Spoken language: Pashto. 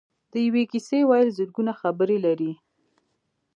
د یوې کیسې ویل زرګونه خبرې لري.